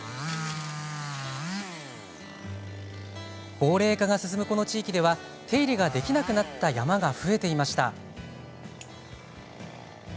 高齢化が進むこの地域では手入れができなくなった山が増えていました。